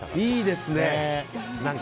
いいですね。